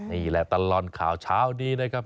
นี่แหละตลอดข่าวเช้านี้นะครับ